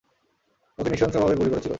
সে ওকে নৃশংসভাবে গুলি করেছিল।